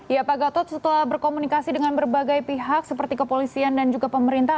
ya pak gatot setelah berkomunikasi dengan berbagai pihak seperti kepolisian dan juga pemerintah